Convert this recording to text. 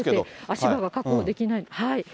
足場が確保できない。